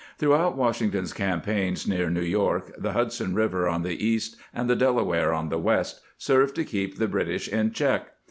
Throughout Washington's campaigns near New York the Hudson River on the east and the Dela ware on the west served to keep the British in check.